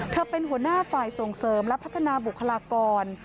เป็นหัวหน้าฝ่ายส่งเสริมและพัฒนาบุคลากร